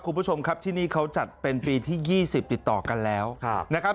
คุณผู้ชมครับที่นี่เขาจัดเป็นปีที่๒๐ติดต่อกันแล้วนะครับ